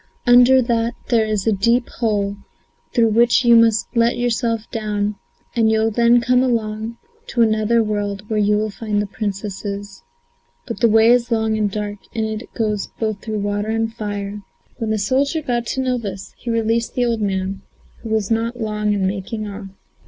Under that there is a deep hole through which you must let yourself down, and you'll then come to another world where you will find the Princesses. But the way is long and dark and it goes both through fire and water." When the soldier got to know this, he released the old man, who was not long in making off.